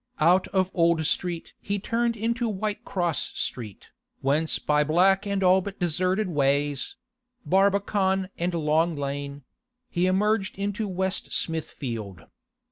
Out of Old Street he turned into Whitecross Street, whence by black and all but deserted ways—Barbican and Long Lane—he emerged into West Smithfield.